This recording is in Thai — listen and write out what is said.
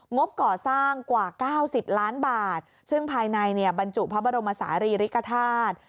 งบก่อสร้างกว่า๙๐ล้านบาทซึ่งภายในเนี่ยบรรจุพระบรมศาลีริกฐาตุ